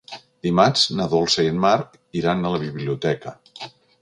Dimarts na Dolça i en Marc iran a la biblioteca.